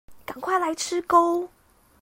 趕快來吃鉤